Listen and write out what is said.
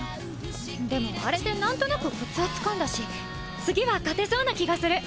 でもアレで何となくコツはつかんだし次は勝てそうな気がする！